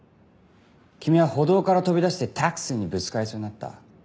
君は歩道から飛び出してＴａｘｉにぶつかりそうになった。